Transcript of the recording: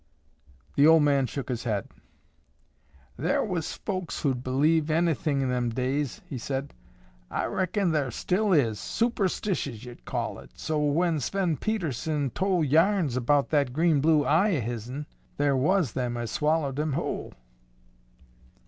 '" The old man shook his head. "Thar was folks who'd believe onythin' in them days," he said. "I reckon thar still is. Superstitious, yo'd call it, so, when Sven Pedersen tol' yarns 'bout that green blue eye o' his'n, thar was them as swallowed 'em whule."